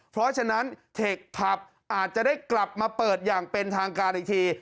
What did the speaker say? เพราะฉะนั้นเทคผับอาจจะได้กลับมาเปิดอย่างเป็นทางการอีกที